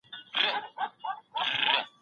د کورنيو ستونزو حللاري معلومول او حلول آسان دي.